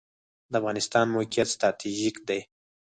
د افغانستان موقعیت ستراتیژیک دی